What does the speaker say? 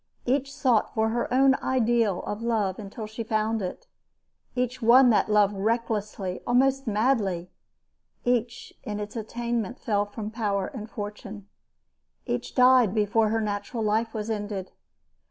Each sought for her own ideal of love until she found it. Each won that love recklessly, almost madly. Each, in its attainment, fell from power and fortune. Each died before her natural life was ended.